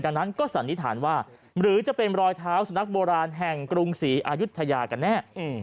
ดังนั้นก็สันนิษฐานว่าหรือจะเป็นรอยเท้าสุนัขโบราณแห่งกรุงศรีอายุทยากันแน่